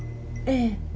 ええ。